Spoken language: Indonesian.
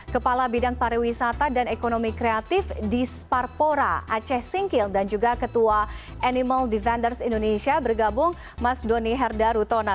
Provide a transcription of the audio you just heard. kepala bidang pariwisata dan ekonomi kreatif di sparpora aceh singkil dan juga ketua animal defenders indonesia bergabung mas doni herda rutona